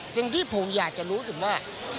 สิ่งที่ผมอยากจะรู้สึกว่า